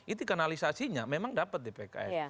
itu kanalisasinya memang dapat di pks